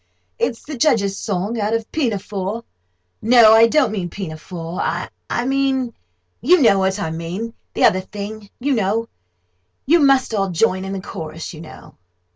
It's the Judge's song out of Pinafore—no, I don't mean Pinafore—I mean—you know what I mean—the other thing, you know. You must all join in the chorus, you know."